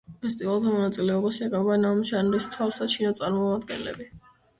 ფესტივალზე მონაწილეობას იღებენ ამ ჟანრის თვალსაჩინო წარმომადგენლები.